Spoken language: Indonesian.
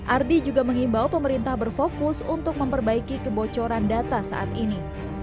ardi juga mengimbau pemerintah berfokus untuk memperbaiki kebocoran data saat ini